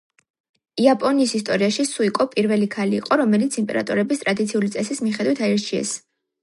იაპონიის ისტორიაში სუიკო პირველი ქალი იყო, რომელიც იმპერატორების ტრადიციული წესის მიხედვით აირჩიეს.